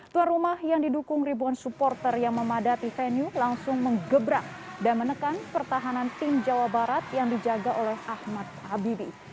tuan rumah yang didukung ribuan supporter yang memadati venue langsung mengebrak dan menekan pertahanan tim jawa barat yang dijaga oleh ahmad habibi